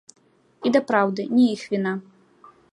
І дапраўды, не іх віна.